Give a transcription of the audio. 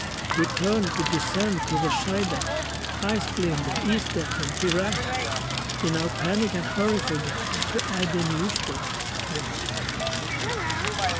We turned to descend to the Scheideck, Eyes blinded, ears deafened, we ran, In our panic and hurry, forgetting To add a new stone to the man.